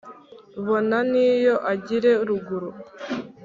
bona n’iyo agiye ruguru,